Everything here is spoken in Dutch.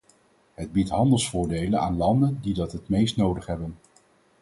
Het biedt handelsvoordelen aan landen die dat het meest nodig hebben.